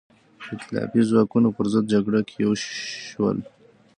د ایتلافي ځواکونو پر ضد جګړه کې یو شول.